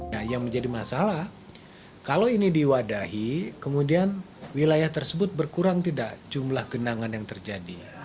nah yang menjadi masalah kalau ini diwadahi kemudian wilayah tersebut berkurang tidak jumlah genangan yang terjadi